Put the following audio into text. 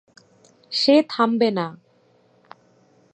সে থামবে না।